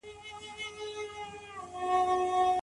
اسلام د بې وزلو پناه ځای دی.